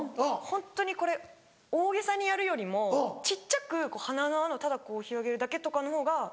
ホントにこれ大げさにやるよりも小っちゃく鼻の穴ただ広げるだけとかのほうが。